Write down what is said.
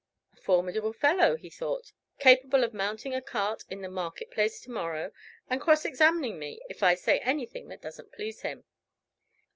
"A formidable fellow," he thought, "capable of mounting a cart in the market place to morrow and cross examining me, if I say anything that doesn't please him."